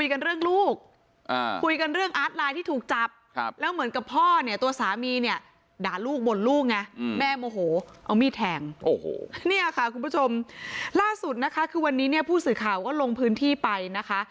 โอ้โหเนี่ยค่ะคุณผู้ชมล่าสุดนะคะคือวันนี้พูดสื่อข่าวก็ลงพื้นที่ไปนะคะ